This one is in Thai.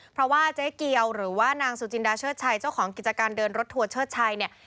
เพราะว่าเจ๊เกียวหรือว่านางสุจินดาเชิดชัยเจ้าของกิจการเดินรถทัวร์เชิดชัยเนี่ย